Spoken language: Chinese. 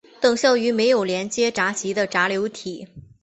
等效于没有连接闸极的闸流体。